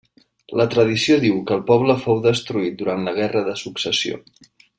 La tradició diu que el poble fou destruït durant la Guerra de Successió.